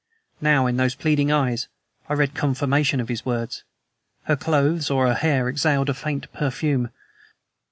Now, in those pleading eyes I read confirmation of his words. Her clothes or her hair exhaled a faint perfume.